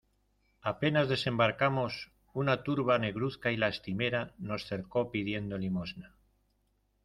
apenas desembarcamos, una turba negruzca y lastimera nos cercó pidiendo limosna.